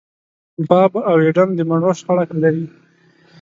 باب او اېډم د مڼو شخړه لري.